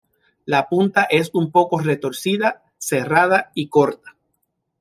La punta es un poco retorcida, serrada y corta.